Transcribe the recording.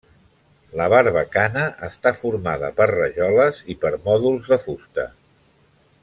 La barbacana està formada per rajoles i permòdols de fusta.